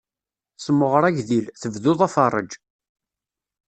Semɣer agdil, tebduḍ aferrej.